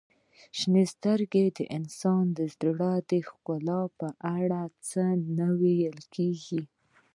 • شنې سترګې د انسان د زړه ښکلا په اړه څه نه ویل کیږي.